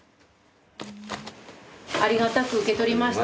「ありがたく受け取りました」